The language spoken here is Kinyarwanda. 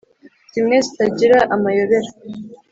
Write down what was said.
zimwe zitagira amayobera